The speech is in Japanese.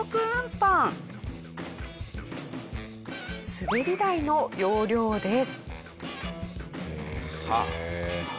滑り台の要領です。